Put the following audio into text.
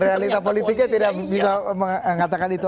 realita politiknya tidak bisa mengatakan itu